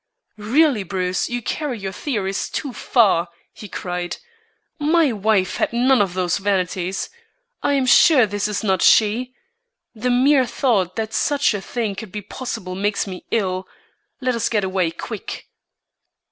"Really, Bruce, you carry your theories too far," he cried. "My wife had none of these vanities. I am sure this is not she. The mere thought that such a thing could be possible makes me ill. Let us get away, quick."